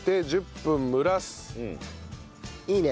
いいね。